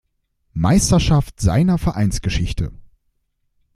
Meisterschaft seiner Vereinsgeschichte.